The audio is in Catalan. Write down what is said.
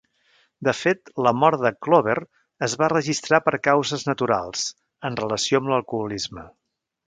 De fet, la mort de Clover es va registrar per causes naturals, en relació amb l'alcoholisme.